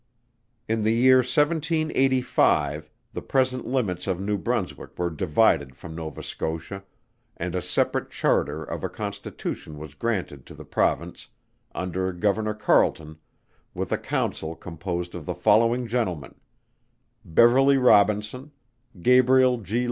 In the year 1785, the present limits of New Brunswick were divided from Nova Scotia, and a separate Charter of a Constitution was granted to the Province, under Governor CARLETON, with a Council composed of the following gentlemen: BEVERLEY ROBINSON, GABRIEL G.